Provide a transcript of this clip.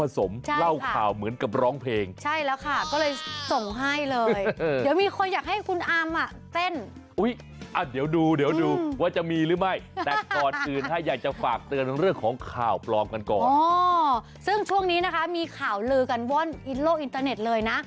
ส่วนนี้นะคะมีข่าวรือกันว่นโลกอินเตอร์เน็ตเลยนะ